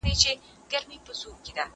رنځ یې تللی له هډونو تر رګونو